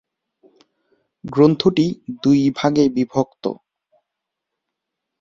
গ্রন্থটি দুইভাগে বিভক্ত।